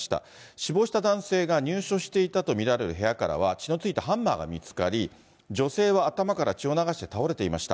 死亡した男性が入所していたと見られる部屋からは、血のついたハンマーが見つかり、女性は頭から血を流して倒れていました。